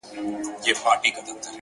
o زما تصـور كي دي تصـوير ويده دی،